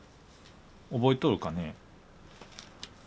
覚えとるかね？